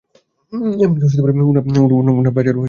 এমনকি উনার পাঁজরেও দুর্গন্ধ হয় না!